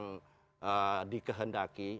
apa yang dikehendaki